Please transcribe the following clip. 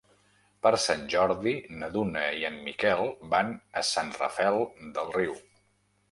Per Sant Jordi na Duna i en Miquel van a Sant Rafel del Riu.